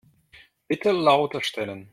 Bitte lauter stellen.